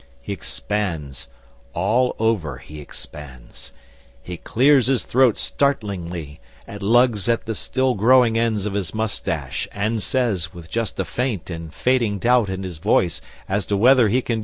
He expands all over he expands. He clears his throat startlingly, lugs at the still growing ends of his moustache, and says, with just a faint and fading doubt in his voice as to whether he can do it, "Yas, Sir!"